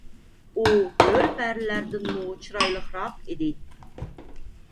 ئۇ ھۆر پەرىلەردىنمۇ چىرايلىقراق ئىدى.